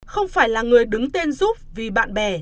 không phải là người đứng tên giúp vì bạn bè